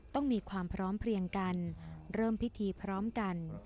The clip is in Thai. ต้องมีความพร้อมเพลียงกันเริ่มพิธีพร้อมกัน